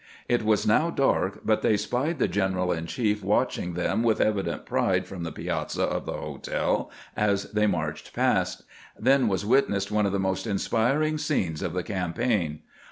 It was now dark, but they spied the gen eral in chief watching them with evident pride from the piazza of the hotel as they marched past. Then was witnessed one of the most inspiring scenes of the cam paign.